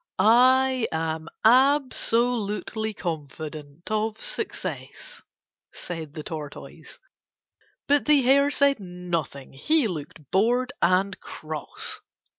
"I am absolutely confident of success," said the Tortoise. But the Hare said nothing, he looked bored and cross.